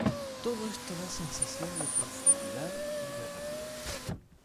Todo esto da sensación de profundidad y de relieve.